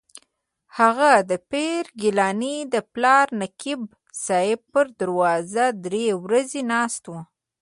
هغه د پیر ګیلاني د پلار نقیب صاحب پر دروازه درې ورځې ناست و.